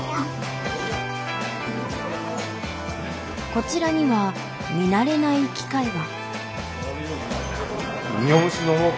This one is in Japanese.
こちらには見慣れない機械が。